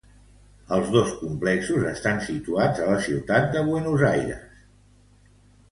Els dos complexos estan situats a la ciutat de Buenos Aires.